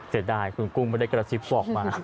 เสียดายคุณกุ้งไม่ได้กระซิบบอกมา